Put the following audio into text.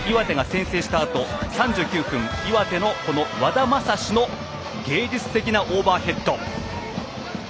前半１２分に岩手が先制したあと３９分、岩手の和田昌士の芸術的なオーバーヘッド。